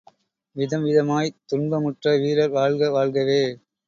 விதம்விதமாய்த் துன்ப முற்ற வீரர் வாழ்க, வாழ்கவே!